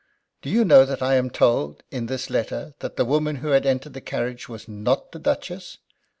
Do you know that I am told in this letter that the woman who had entered the carriage was not the Duchess?